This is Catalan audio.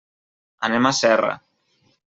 Anem a Serra.